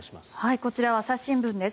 こちらは朝日新聞です。